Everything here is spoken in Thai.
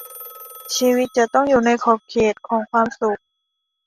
ชีวิตจะต้องอยู่ในขอบเขตของความสุข